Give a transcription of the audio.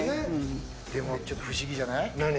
でも、ちょっと不思議じゃない？